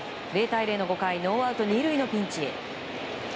０対０の５回ノーアウト２塁のピンチ。